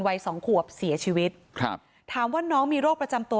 วัยสองขวบเสียชีวิตครับถามว่าน้องมีโรคประจำตัว